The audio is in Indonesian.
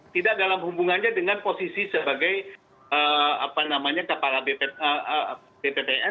tidak dalam hubungannya dengan posisi sebagai kepala bptn